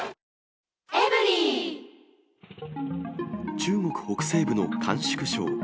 中国北西部の甘粛省。